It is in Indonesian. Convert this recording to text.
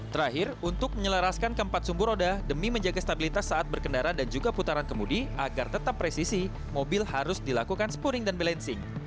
terakhir untuk menyelaraskan keempat sumbur roda demi menjaga stabilitas saat berkendara dan juga putaran kemudi agar tetap presisi mobil harus dilakukan spuring dan balancing